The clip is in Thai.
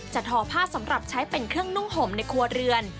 ทอผ้าสำหรับใช้เป็นเครื่องนุ่งห่มในครัวเรือน